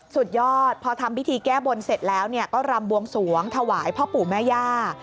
สุดยอดพอทำพิธีแก้บนเสร็จแล้วก็รำบวงสวงถวายพ่อปู่แม่ย่า